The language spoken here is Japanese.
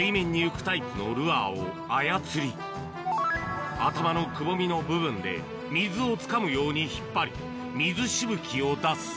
ポッパーと呼ばれる水面に浮くタイプのルアーを操り、頭のくぼみの部分で、水をつかむように引っ張り、水しぶきを出す。